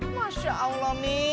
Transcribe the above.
masya allah mi